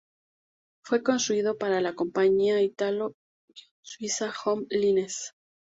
Fue construido para la compañía Italo-Suiza- "Home Lines".